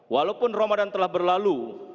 walaupun ramadan telah berlalu